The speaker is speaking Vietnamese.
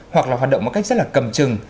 hoặc là hoạt động một cách rất là cầm chừng